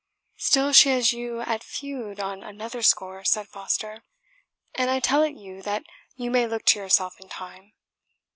"Still she has you at feud on another score," said Foster; "and I tell it you that you may look to yourself in time.